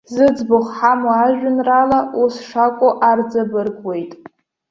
Зыӡбахә ҳамоу ажәеинраала ус шакәу арҵабыргуеит.